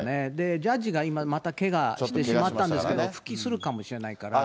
ジャッジがまた今、けがしてしまったんですけれども、復帰するかもしれないから。